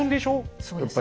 そうですね。